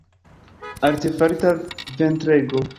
Artefarita ventrego.